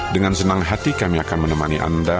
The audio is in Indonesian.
dengan senang hati kami akan menemani anda